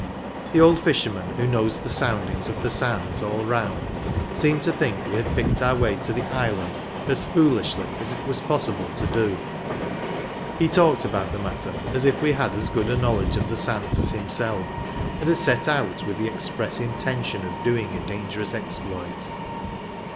The old fisherman, who knows the soundings of the sands all round, seemed to think we had picked our way to the island as foolishly 1 as it was possible to do. He talked about the matter as if we had as good a knowledge of the sands as himself, and had set out with the express intention of doing a dangerous exploit.